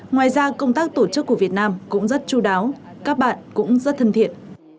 ngoài ra công tác tổ chức của việt nam cũng rất chú đáo các bạn cũng rất thân thiện